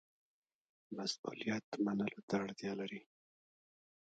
مسوولیت منلو ته اړتیا لري